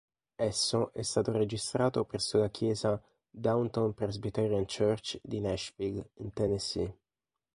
Esso è stato registrato presso la Chiesa Downtown Presbyterian Church di Nashville, in Tennessee.